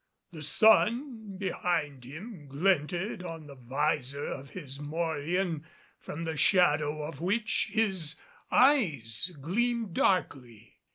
The sun behind him glinted on the visor of his morion from the shadow of which his eyes gleamed darkly.